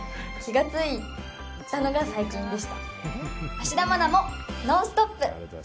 芦田愛菜も「ノンストップ！」。